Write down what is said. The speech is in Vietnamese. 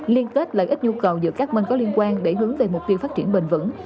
liên kết lợi ích nhu cầu giữa các bên có liên quan để hướng về mục tiêu phát triển bền vững